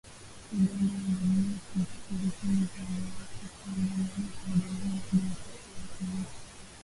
Uganda wanajua kuhusu vikundi vya waasi kuwa ndani ya jeshi la Jamhuri ya Kidemokrasia ya Kongo